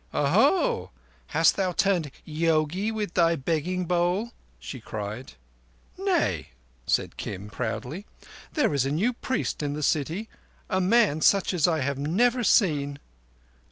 "Oho, hast thou turned yogi with thy begging bowl?" she cried. "Nay." said Kim proudly. "There is a new priest in the city—a man such as I have never seen."